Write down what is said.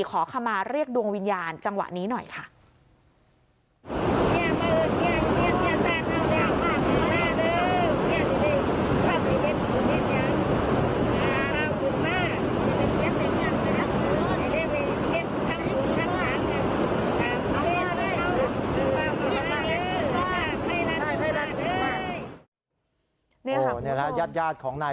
ขอขมาเรียกดวงวิญญาณจังหวะนี้หน่อยค่ะ